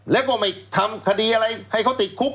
แล้วก็ไม่ทำคดีอะไรให้เขาติดคุก